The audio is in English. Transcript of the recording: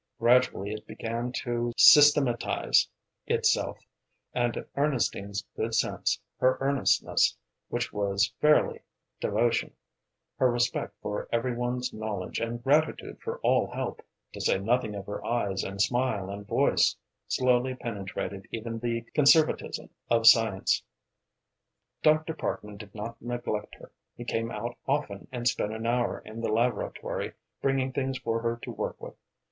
Gradually it began to systematise itself, and Ernestine's good sense, her earnestness, which was fairly devotion, her respect for every one's knowledge and gratitude for all help to say nothing of her eyes and smile and voice slowly penetrated even the conservatism of science. Dr. Parkman did not neglect her. He came out often and spent an hour in the laboratory, bringing things for her to work with.